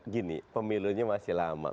gini pemilunya masih lama